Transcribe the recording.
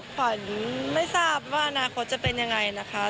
ขวัญไม่ทราบว่าอนาคตจะเป็นยังไงนะคะ